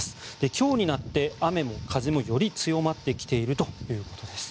今日になって雨も風もより強まってきているということです。